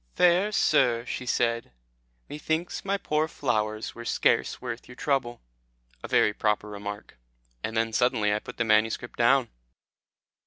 'Fair sir,' she said, 'methinks my poor flowers were scarce worth your trouble.'" A very proper remark. And then suddenly I put the manuscript down.